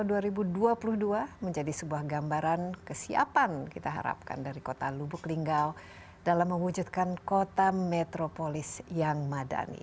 dua ribu dua puluh dua menjadi sebuah gambaran kesiapan kita harapkan dari kota lubuk linggau dalam mewujudkan kota metropolis yang madani